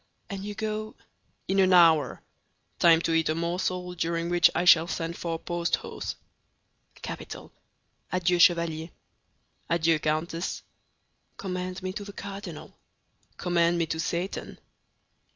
And you go—" "In an hour—time to eat a morsel, during which I shall send for a post horse." "Capital! Adieu, Chevalier." "Adieu, Countess." "Commend me to the cardinal." "Commend me to Satan."